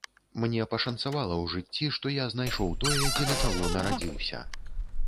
Мне пашанцавала ў жыцці, што я знайшоў тое, дзеля чаго нарадзіўся.